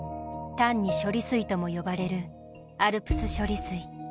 単に処理水とも呼ばれるＡＬＰＳ処理水。